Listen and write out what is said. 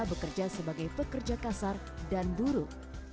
bekerja sebagai pekerja kasar dan buruh